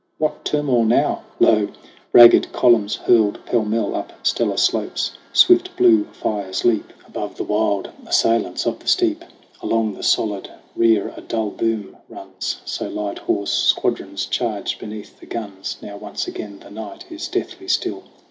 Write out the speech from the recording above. What turmoil now ? Lo, ragged columns hurled Pell mell up stellar slopes ! Swift blue fires leap THE CRAWL 51 Above the wild assailants of the steep ! Along the solid rear a dull boom runs ! So light horse squadrons charge beneath the guns. Now once again the night is deathly still.